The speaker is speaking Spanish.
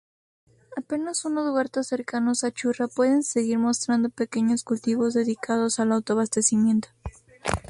Apenas unos huertos cercanos a Churra pueden seguir mostrando pequeños cultivos dedicados al autoabastecimiento.